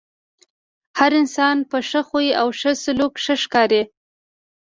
هر انسان په ښۀ خوی او ښۀ سلوک ښۀ ښکاري .